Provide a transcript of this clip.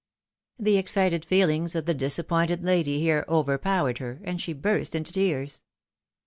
" The excited feelings of the disappointed lady here over powered her, and she burst into tears.